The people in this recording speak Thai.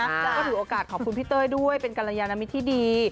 แล้วก็ถือโอกาสขอบคุณพี่เต้ยด้วยเป็นกรยานมิตรที่ดี